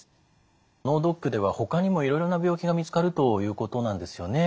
脳ドックではほかにもいろいろな病気が見つかるということなんですよね。